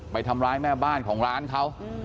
ไปทำร้ายแม่บ้านของร้านเขา